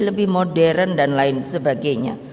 lebih modern dan lain sebagainya